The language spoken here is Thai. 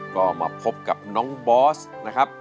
ก็มาพบกับน้องบอสนะครับ